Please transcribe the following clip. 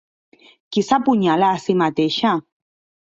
Qui s'apunyala a si mateixa?